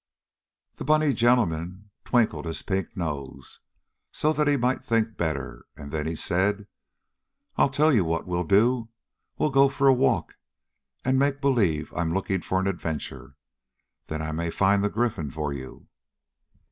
The bunny gentleman twinkled his pink nose, so that he might think better, and then he said: "I'll tell you what we'll do. We'll go for a walk, and make believe I'm looking for an adventure. Then I may find the Gryphon for you."